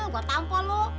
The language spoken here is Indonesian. gua tampal lu